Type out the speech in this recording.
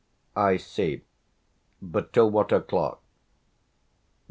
"I see. But till what o'clock?"